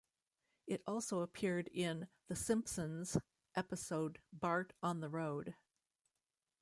It also appeared in "The Simpsons" episode Bart on the Road.